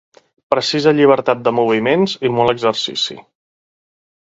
Precisa llibertat de moviments i molt exercici.